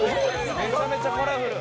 めちゃめちゃカラフル！